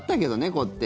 こうやって。